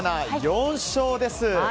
４勝です。